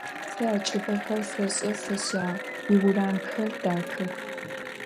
Сэ а чӏыпӏэхэр сэшӏэ, сащыӏагъ, иурамхэр дахэх.